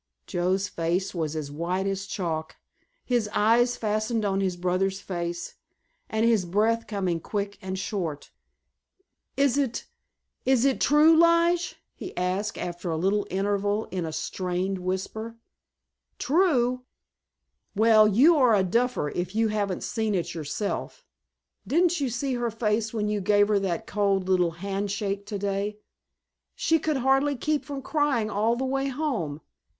Joe's face was as white as chalk, his eyes fastened on his brother's face, and his breath coming quick and short. "Is it—is it true, Lige?" he asked after a little interval, in a strained whisper. "True? Well, you are a duffer if you haven't seen it yourself. Didn't you see her face when you gave her that cold little hand shake to day? She could hardly keep from crying all the way home.